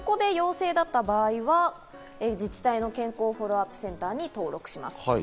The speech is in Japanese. そこで陽性だった場合は自治体の健康フォローアップセンターに登録します。